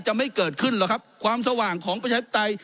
ไม่เกิดขึ้นหรอกครับความสว่างของประชาธิปไตย